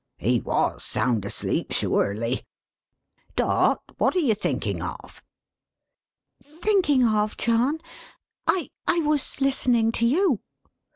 He was sound asleep, sure ly! Dot! what are you thinking of?" "Thinking of, John? I I was listening to you."